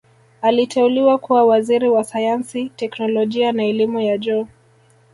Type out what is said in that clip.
Aliteuliwa kuwa Waziri wa Sayansi Teknolojia na Elimu ya Juu